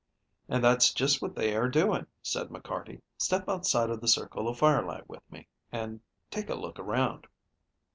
"And that's just what they are doing," said McCarty. "Step outside of the circle of firelight with me, and take a look around."